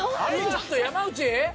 ちょっと山内。